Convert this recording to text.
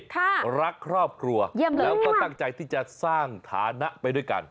รักครอบครัวเยี่ยมแล้วก็ตั้งใจที่จะสร้างฐานะไปด้วยกัน